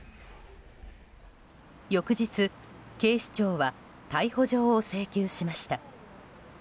翌日、警視庁は逮捕状を請求しました。